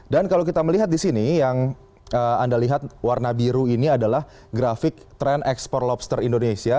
dan kalau kita melihat disini yang anda lihat warna biru ini adalah grafik tren ekspor lobster indonesia